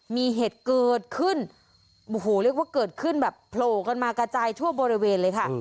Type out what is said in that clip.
มีเหตุเกิดขึ้นโอ้โหเรียกว่าเกิดขึ้นแบบโผล่กันมากระจายทั่วบริเวณเลยค่ะ